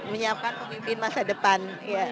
menyiapkan pemimpin masa depan